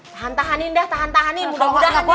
tahan tahanin dah tahan tahanin mudah mudahan ya